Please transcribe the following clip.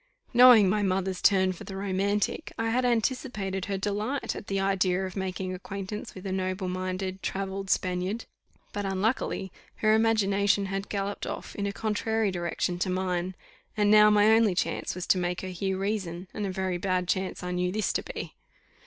Knowing my mother's turn for the romantic, I had anticipated her delight at the idea of making acquaintance with a noble minded travelled Spaniard; but unluckily her imagination had galloped off in a contrary direction to mine, and now my only chance was to make her hear reason, and a very bad chance I knew this to be.